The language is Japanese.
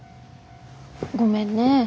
ごめんね。